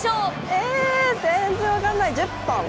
え、全然分からない１０本！